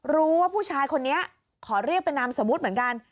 รู้ว่าผู้ชายคนนี้ขอเรียกเป็นนามสมมุติเหมือนกัน